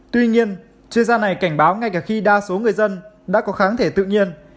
tuy nhiên chuyên gia này cảnh báo ngay cả khi đa số người dân đã có kháng thể tự nhiên